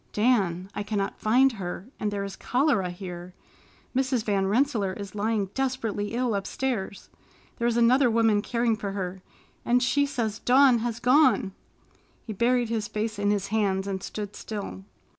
"Dan, I cannot find her, and there is cholera here. Mrs. Van Rensselaer is lying desperately ill upstairs! There is another woman caring for her and she says Dawn has gone." He buried his face in his hands and stood still.